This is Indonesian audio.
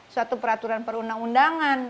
suatu peraturan perundang undangan